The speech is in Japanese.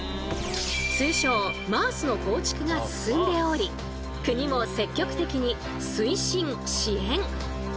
通称ＭａａＳの構築が進んでおり国も積極的に推進支援。